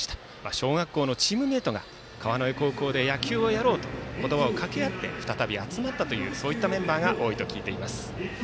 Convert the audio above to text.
小学校のチームメートが川之江高校で野球をやろうと言葉を掛け合い再び集まったメンバーが多いと聞いています。